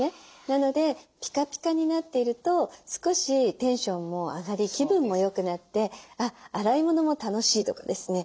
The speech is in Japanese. なのでピカピカになっていると少しテンションも上がり気分も良くなって洗い物も楽しいとかですね。